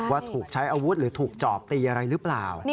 ว่าถูกใช้อาวุธหรือถูกจอบตีอะไรหรือเปล่า